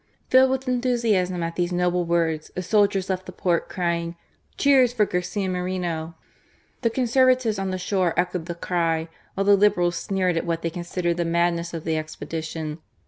Filled with enthusiasm at these noble words the soldiers left the port, crying: Cheers for Garcia Moreno." The Conservatives on the shore echoed the cry, while the Liberals sneered at v/hat they con sidered the madness of the expedition.